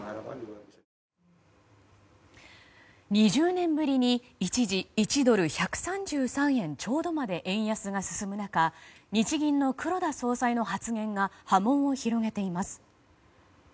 ２０年ぶりに一時１ドル＝１３３円ちょうどまで円安が進む中日銀の黒田総裁の発言が波紋を広げています。